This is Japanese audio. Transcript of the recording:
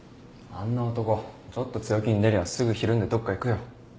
あんな男ちょっと強気に出りゃすぐひるんでどっか行くよ。